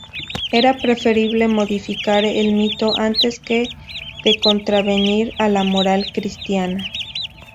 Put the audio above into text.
Era preferible modificar el mito antes que de contravenir a la moral cristiana.